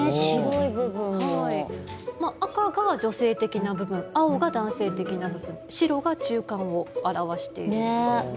赤が女性的な部分青が男性的な部分白が中間を表しているんですよね。